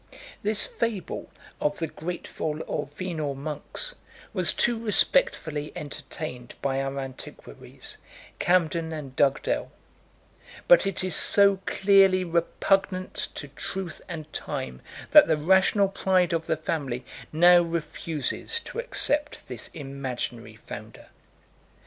80 This fable of the grateful or venal monks was too respectfully entertained by our antiquaries, Cambden 81 and Dugdale: 82 but it is so clearly repugnant to truth and time, that the rational pride of the family now refuses to accept this imaginary founder.